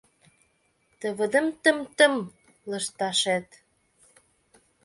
Тывыдым-тым-тым лышташет.